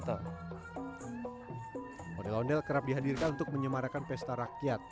ondel ondel kerap dihadirkan untuk menyemarakan pesta rakyat